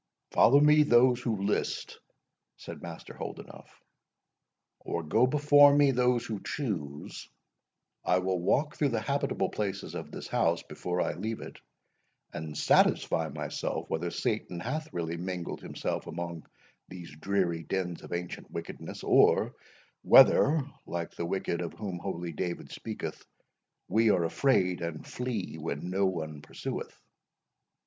"Follow me those who list," said Master Holdenough, "or go before me those who choose, I will walk through the habitable places of this house before I leave it, and satisfy myself whether Satan hath really mingled himself among these dreary dens of ancient wickedness, or whether, like the wicked of whom holy David speaketh, we are afraid, and flee when no one pursueth."